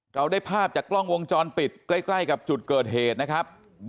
เราได้ภาพจากกล้องวงจรปิดใกล้กับจุดเกิดเหตุนะครับ